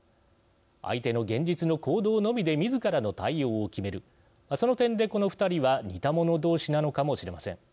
相手の現実の行動のみでみずからの対応を決める、その点で２人は似た者同士なのかもしれません。